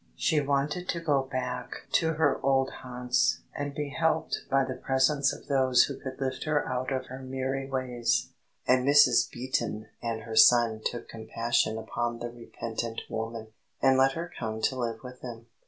She wanted to go back to her old haunts and be helped by the presence of those who could lift her out of miry ways; and Mrs. Beaton and her son took compassion upon the repentant woman, and let her come to live with them.